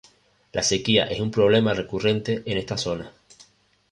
La sequía es un problema recurrente en esta zona.